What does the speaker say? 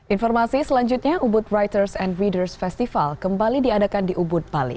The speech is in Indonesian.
informasi selanjutnya ubud writers and readers festival kembali diadakan di ubud bali